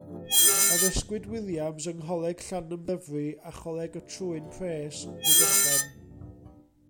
Addysgwyd Williams yng Ngholeg Llanymddyfri a Choleg y Trwyn Pres, Rhydychen.